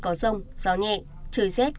có rông gió nhẹ trời rét